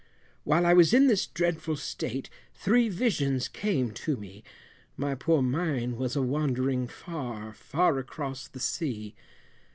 While I was in this dreadful state, three visions came to me, My poor mind was a wandering, far, far across the sea!